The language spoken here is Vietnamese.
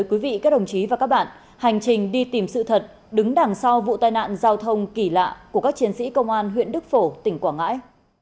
quý vị các đồng chí và các bạn hành trình đi tìm sự thật đứng đằng sau vụ tai nạn giao thông kỳ lạ của các chiến sĩ công an huyện đức phổ tỉnh quảng ngãi